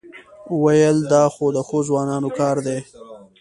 وېل دا خو د ښو ځوانانو کار دی.